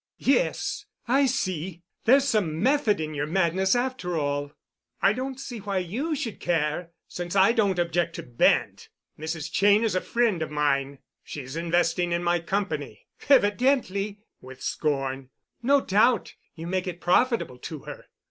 "Yes, I see. There's some method in your madness after all." "I don't see why you should care—since I don't object to Bent. Mrs. Cheyne is a friend of mine. She's investing in my company——" "Evidently," with scorn. "No doubt you make it profitable to her."